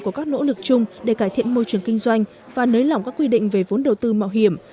có các nỗ lực chung để cải thiện môi trường kinh doanh và nới lỏng các quy định về vốn đầu tư mạo hiểm